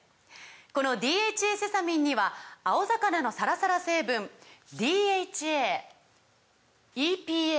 この「ＤＨＡセサミン」には青魚のサラサラ成分ＤＨＡＥＰＡ